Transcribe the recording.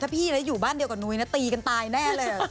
พี่นะอยู่บ้านเดียวกับนุ้ยนะตีกันตายแน่เลย